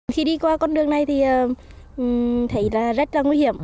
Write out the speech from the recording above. khi đi qua con đường này thì thấy rất là nguy hiểm